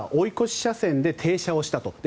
追い越し車線で停車をしたと。